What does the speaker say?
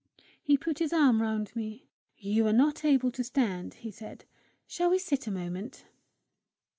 He put his arm round me. "You are not able to stand," he said. "Shall we sit a moment?"